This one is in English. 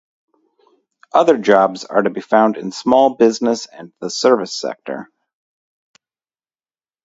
Other jobs are to be found in small business and the service sector.